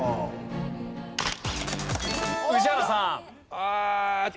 宇治原さん。